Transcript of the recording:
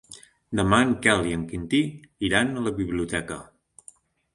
Demà en Quel i en Quintí iran a la biblioteca.